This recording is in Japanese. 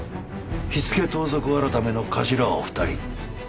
火付盗賊改の長官は２人。